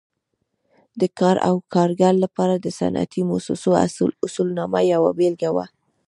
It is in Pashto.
د کار او کارګر لپاره د صنعتي مؤسسو اصولنامه یوه بېلګه وه.